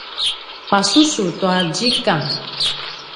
pasusu tua zikang